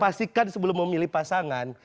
pastikan sebelum memilih pasangan